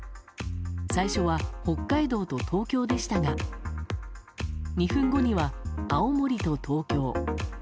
最初は北海道と東京でしたが２分後には青森と東京。